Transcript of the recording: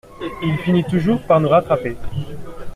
Il finit toujours par nous rattraper.